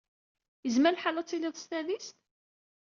Yezmer lḥal ad tiliḍ s tadist?